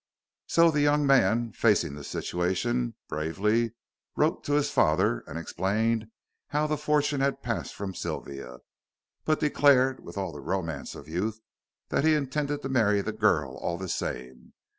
So, the young man facing the situation, bravely wrote to his father and explained how the fortune had passed from Sylvia, but declared, with all the romance of youth, that he intended to marry the girl all the same.